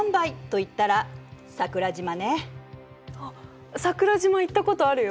あっ桜島行ったことあるよ！